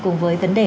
cùng với vấn đề